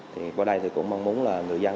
thì qua đây cũng mong muốn là người dân